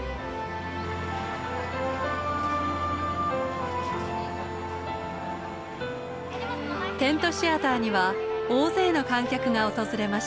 そして迎えたテントシアターには大勢の観客が訪れました。